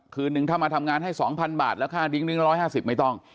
คืนหนึ่งถ้ามาทำงานให้สองพันบาทแล้วค่าดริ้งดริ้งร้อยห้าสิบไม่ต้อง